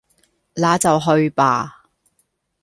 那就去吧！